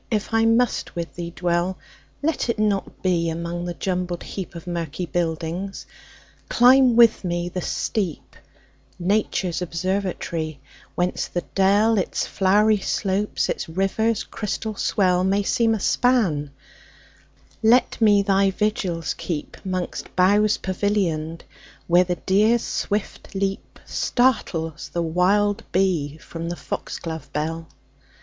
if I must with thee dwell, Let it not be among the jumbled heapOf murky buildings; climb with me the steep,—Nature's observatory—whence the dell, Its flowery slopes, its river's crystal swell, May seem a span; let me thy vigils keep'Mongst boughs pavillion'd, where the deer's swift leapStartles the wild bee from the fox glove bell.